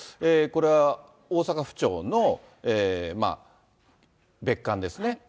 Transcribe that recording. これは大阪府庁の別館ですね。